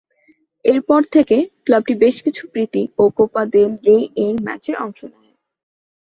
এর পর থেকে ক্লাবটি বেশ কিছু প্রীতি ও কোপা দেল রে-এর ম্যাচে অংশ নেয়।